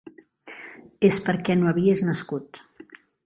És perquè no havies nascut.